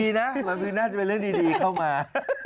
หมายความว่าน่าจะเป็นเรื่องดีเข้ามา